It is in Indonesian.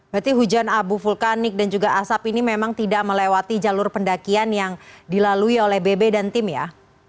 berarti hujan abu vulkanik dan juga asap ini memang tidak melewati jalur pendakian yang dilalui oleh bb dan tim ya